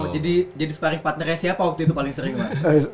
jadi jadi separing partnernya siapa waktu itu paling sering mas